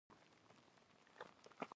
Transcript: رومي وایي مینه موسمي نه وي.